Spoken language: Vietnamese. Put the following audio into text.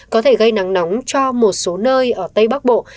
có thể gây nắng nóng cho một số nơi ở tây bắc bộ